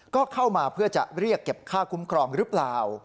ก็เข้ามาเพื่อจะเรียกเก็บค่าคุ้มครองหรือเปล่า